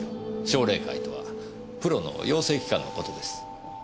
奨励会とはプロの養成機関の事です。